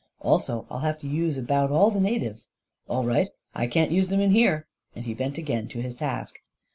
" Also I'll have to use about all the natives." "All right. I can't use them in here," and he bent again to his task.